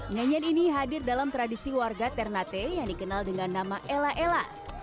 nyanyian ini hadir dalam tradisi warga ternate yang dikenal dengan nama ella ella